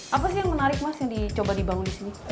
apa sih yang menarik mas yang dicoba dibangun di sini